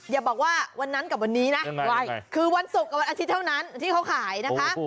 อย่าบอกว่าวันนั้นกับวันนี้นะคือวันศุกร์กับวันอาทิตย์เท่านั้นที่เขาขายนะคะ